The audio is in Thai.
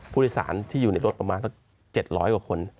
ผู้โดยสารที่อยู่ในรถประมาณสัก๗๐๐กว่าคน